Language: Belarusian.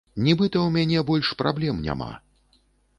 Нібыта, у мяне больш праблем няма.